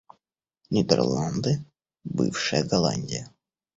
Нидерланды — бывшая Голландия.